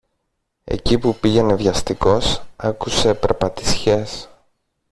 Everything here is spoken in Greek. Εκεί που πήγαινε βιαστικός, άκουσε περπατησιές.